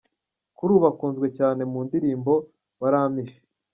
Kuri ubu akunzwe cyane mu ndirimbo 'Warampishe'.